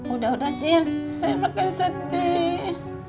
udah udah jadi saya makin sedih